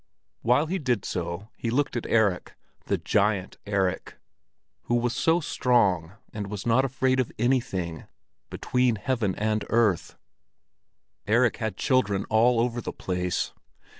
While he did so, he looked at Erik—the giant Erik, who was so strong and was not afraid of anything between heaven and earth. Erik had children all over the place!